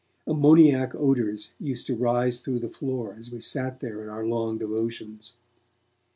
Ammoniac odours used to rise through the floor as we sat there at our long devotions.